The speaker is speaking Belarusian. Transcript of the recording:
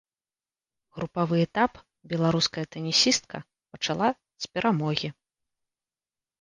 Групавы этап беларуская тэнісістка пачала з перамогі.